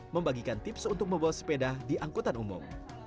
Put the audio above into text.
membagikan tips untuk membawa sepeda di angkutan umum